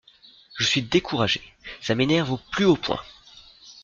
Je suis découragé, ça m’énerve au plus haut point!